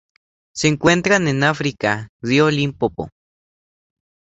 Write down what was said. Se encuentran en África: río Limpopo.